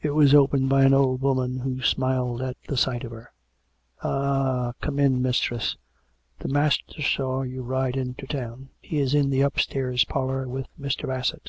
It was opened by an old woman who smiled at the sight of her. " Eh ! come in, mistress. The master saw you ride into town. He is in the upstairs parlour, with Mr. Bassett."